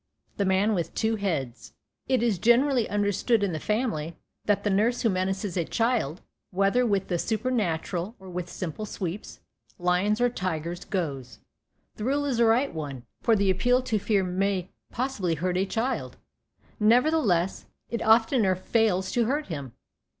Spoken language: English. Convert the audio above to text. THE MAN WITH TWO HEADS It is generally understood in the family that the nurse who menaces a child, whether with the supernatural or with simple sweeps, lions, or tigers goes. The rule is a right one, for the appeal to fear may possibly hurt a child; nevertheless, it oftener fails to hurt him.